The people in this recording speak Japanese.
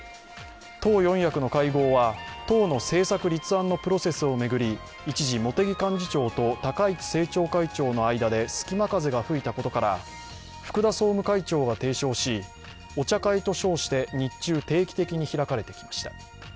党四役の会合は党の政策立案のプロセスを巡り、一時、茂木幹事長と高市政調会長の間で隙間風が吹いたことから、福田総務会長が提唱し、お茶会と称して日中、定期的に開かれてきました。